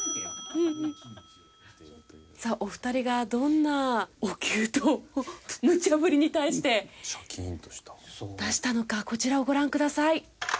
さあお二人がどんなおきゅうとをむちゃぶりに対して出したのかこちらをご覧ください。